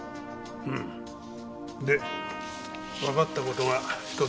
うん。でわかった事が一つある。